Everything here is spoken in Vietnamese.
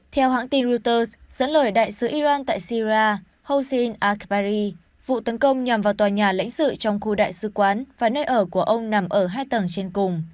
theo hãng tin reuters dẫn lời đại sứ iran tại sira housiin akbari vụ tấn công nhằm vào tòa nhà lãnh sự trong khu đại sứ quán và nơi ở của ông nằm ở hai tầng trên cùng